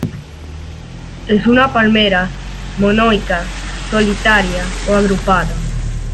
Es una palmera monoica, solitaria o agrupada.